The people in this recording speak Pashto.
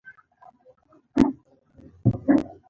خبري اهمیت هډو په کې نه پیدا کېده.